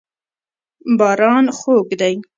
باران خوږ دی.